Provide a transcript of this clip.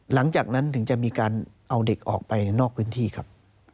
หลังจากนั้นถึงจะมีการเอาเด็กออกไปนอกพื้นที่ครับ